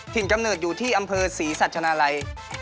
กำเนิดอยู่ที่อำเภอศรีสัชนาลัย